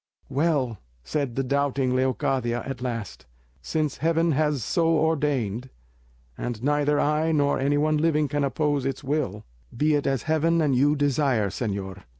"Well," said the doubting Leocadia, at last, "since Heaven has so ordained, and neither I nor any one living can oppose its will, be it as Heaven and you desire, señor.